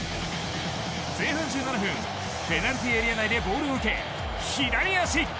前半１７分ペナルティーエリア内でボールを受け、左足！